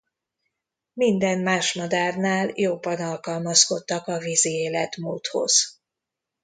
Minden más madárnál jobban alkalmazkodtak a vízi életmódhoz.